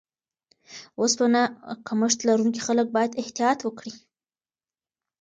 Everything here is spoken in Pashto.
اوسپنه کمښت لرونکي خلک باید احتیاط وکړي.